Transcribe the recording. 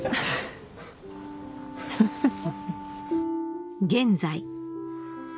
フッフフ